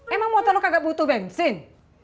emang moto lu kagak butuh bensin